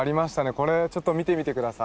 これちょっと見てみて下さい。